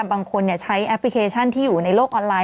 บางคนใช้แอปพลิเคชันที่อยู่ในโลกออนไลน